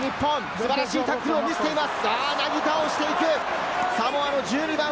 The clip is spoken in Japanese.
素晴らしいタックルを見せています。